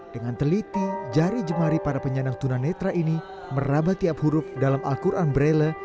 dengan teliti jari jemari para penyandang tunanetra ini meraba tiap huruf dalam al quran braille